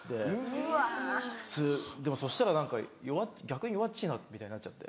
・うわ・でもそしたら逆に弱っちいなみたいになっちゃって。